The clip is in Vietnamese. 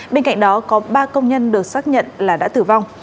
bên cạnh đó có ba công nhân được xác nhận là đã tử vong